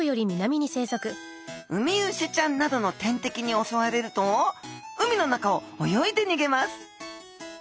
ウミウシちゃんなどの天敵に襲われると海の中を泳いで逃げます。